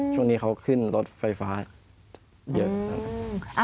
ช่วงนี้เขาขึ้นรถไฟฟ้าเยอะ